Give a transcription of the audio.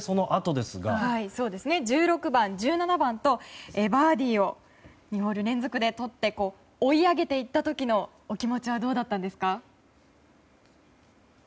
１６番、１７番とバーディーを２ホール連続でとって追い上げていった時のお気持ちはどうだったんですか？